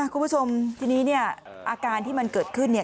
คุณผู้ชมทีนี้เนี่ยอาการที่มันเกิดขึ้นเนี่ย